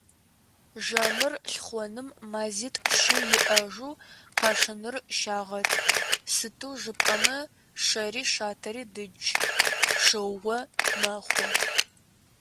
Жэмыр лъхуэным мазитӀ-щы иӀэжу къэшыныр щагъэт, сыту жыпӀэмэ, шэри шатэри дыдж, шыугъэ мэхъу.